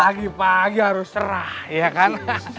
pagi pagi harus serah ya kan